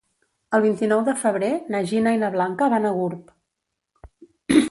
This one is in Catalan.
El vint-i-nou de febrer na Gina i na Blanca van a Gurb.